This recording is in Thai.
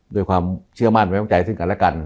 ด้วยความเชื่อมั่นไว้วางใจซึ่งกันและกัน